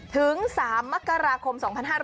ถึง๓มกราคม๒๕๕๙